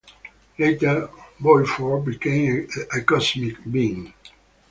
Later, Boiffard became a cosmic being.